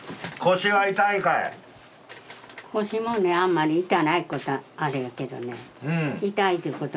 腰もねあんまり痛ないことはあれやけどね痛いっていうこともないんやよ。